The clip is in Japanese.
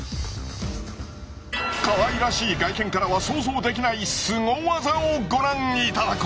かわいらしい外見からは想像できないスゴ技をご覧いただこう！